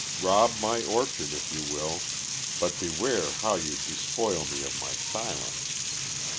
Rob my orchard if you will, but beware how you despoil me of my silence.